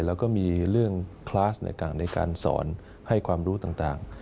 แล้วก็มีเรื่องคลาสในการสอนให้ความรู้ต่าง